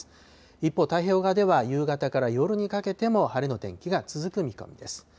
一方、太平洋側では夕方から夜にかけても晴れの天気が続く見込みです。